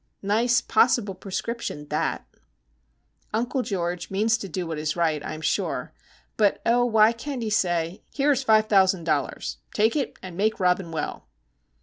Nice possible prescription, that! Uncle George means to do what is right, I am sure; but, oh, why can't he say,— "Here is $5,000. Take it, and make Robin well."